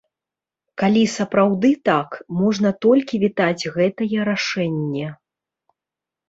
Калі сапраўды так, можна толькі вітаць гэтае рашэнне.